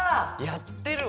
やってるわ。